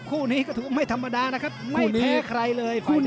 คู่นี้ก็ถือว่าไม่ธรรมดานะครับไม่แพ้ใครเลยคู่นี้